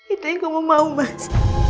itu yang kamu mau mas